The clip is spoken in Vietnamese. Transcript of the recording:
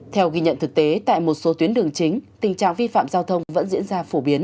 theo ghi nhận thực tế tại một số tuyến đường chính tình trạng vi phạm giao thông vẫn diễn ra phổ biến